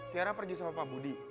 tiara pergi sama pak budi